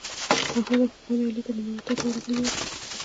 احمد او خپلوان يې علي ته ننواتو ته ورغلي ول.